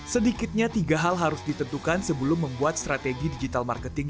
sedikitnya tiga hal harus ditentukan sebelum membuat strategi digital marketing